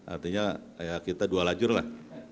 artinya ya kita dua lajur lah